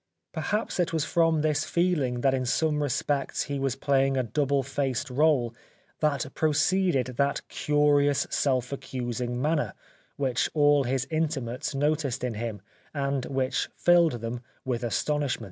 Perhaps it was from this feeling that in some respects he was playing a double faced role that proceeded that curious self accusing manner, which all his intimates noticed in him, and which filled them with astonishment.